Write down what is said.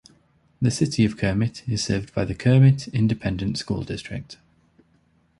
The City of Kermit is served by the Kermit Independent School District.